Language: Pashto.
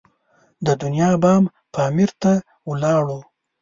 د دنیا بام پامیر ته ولاړو.